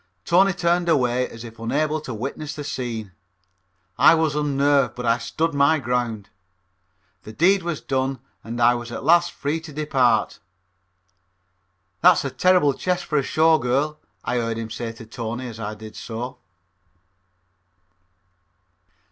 Tony turned away as if unable to witness the scene. I was unnerved, but I stood my ground. The deed was done and I was at last free to depart. "That's a terrible chest for a Show Girl," I heard him to say to Tony as I did so.